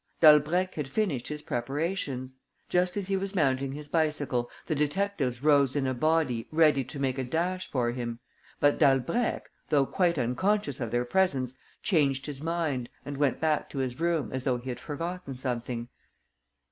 Dalbrèque had finished his preparations. Just as he was mounting his bicycle, the detectives rose in a body, ready to make a dash for him. But Dalbrèque, though quite unconscious of their presence, changed his mind and went back to his room as though he had forgotten something.